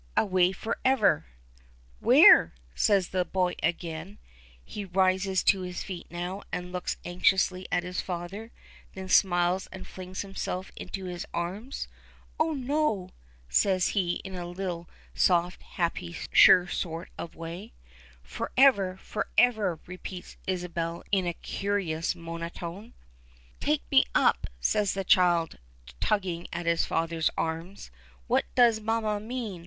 "Away. Forever." "Where?" says the boy again. He rises to his feet now, and looks anxiously at his father; then he smiles and flings himself into his arms. "Oh, no!" says he, in a little soft, happy, sure sort of a way. "Forever! Forever!" repeals Isabel in a curious monotone. "Take me up," says the child, tugging at his father's arms. "What does mamma mean?